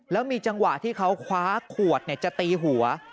แล้วมีจังหวะที่เขาคว้าขวดจะตีหัว